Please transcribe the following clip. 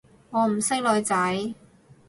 我唔識女仔